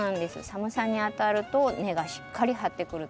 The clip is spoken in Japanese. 寒さにあたると根がしっかり張ってくる。